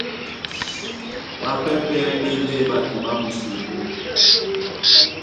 Ɓápɛ́pɛ̄ ɓá e ndé ɓato ɓá musombó.